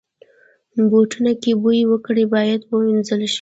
بوټونه که بوی وکړي، باید وینځل شي.